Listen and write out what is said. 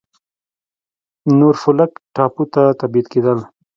نورفولک ټاپو ته تبعید کېدل.